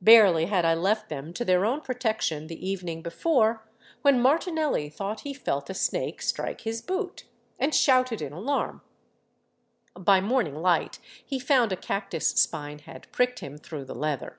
Barely had I left them to their own protection the evening before when Martinelli thought he felt a snake strike his boot, and shouted in alarm. (By morning light he found a cactus spine had pricked him through the leather.)